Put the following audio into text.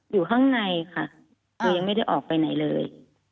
อยู่ข้างในค่ะคือยังไม่ได้ออกไปไหนเลย